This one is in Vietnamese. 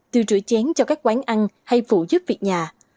tiêu chuỗi chén cho các quán ăn hay phụ giúp việc nhà